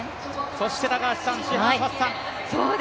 そして高橋さん、シファン・ハッサン。